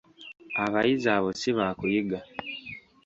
Abayizi abo ssi baakuyiga.